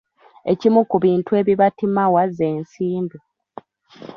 Ekimu ku bintu ebibatimawa ze nsimbi.